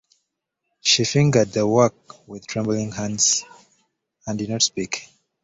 She fingered the work with trembling hands, and did not speak.